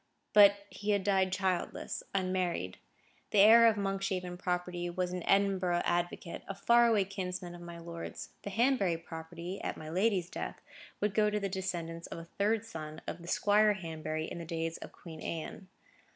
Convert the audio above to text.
But he had died childless, unmarried. The heir of the Monkshaven property was an Edinburgh advocate, a far away kinsman of my lord's: the Hanbury property, at my lady's death, would go to the descendants of a third son of the Squire Hanbury in the days of Queen Anne.